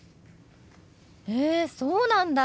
へえそうなんだ。